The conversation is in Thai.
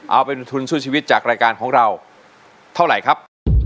เอาเป็นทุนสู้ชีวิตจากรายการของเราเท่าไหร่ครับ